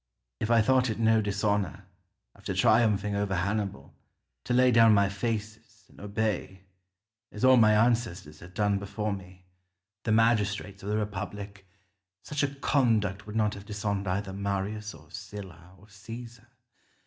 Scipio. If I thought it no dishonour, after triumphing over Hannibal, to lay down my fasces and obey, as all my ancestors had done before me, the magistrates of the republic, such a conduct would not have dishonoured either Marius, or Sylla, or Caesar.